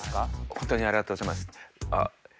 ホントにありがとうございます。